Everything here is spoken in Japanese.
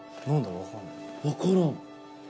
わからん。